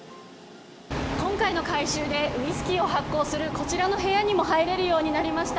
今回の改修でウイスキーを発酵するこちらの部屋にも入れるようになりました。